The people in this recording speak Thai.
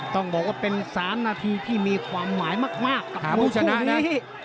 ต้องบอกว่าเป็น๓นาทีที่มีความหมายมากกับผู้ชนะนี้